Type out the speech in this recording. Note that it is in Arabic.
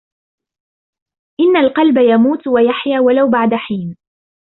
إنَّ الْقَلْبَ يَمُوتُ وَيَحْيَى وَلَوْ بَعْدَ حِينٍ